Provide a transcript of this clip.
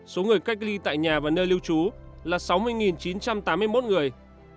số người cách ly tại nhà và nơi lưu trú là sáu mươi chín trăm tám mươi một người